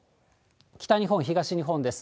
北日本、東日本です。